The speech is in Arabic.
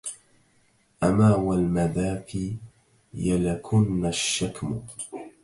أما والمذاكي يلكن الشكم